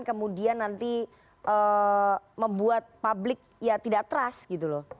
kemudian nanti membuat publik ya tidak trust gitu loh